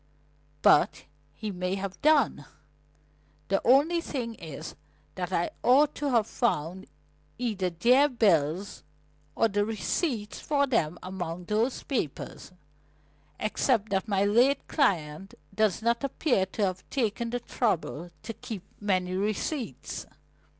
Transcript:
But he may have done. The only thing is that I ought to have found either their bills or the receipts for them among those papers except that my late client does not appear to have taken the trouble to keep many receipts."